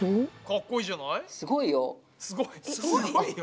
かっこいいじゃない。